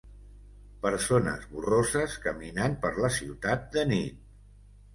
Persones borroses caminant per la ciutat de nit.